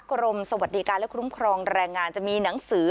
กรมสวัสดิการและคุ้มครองแรงงานจะมีหนังสือ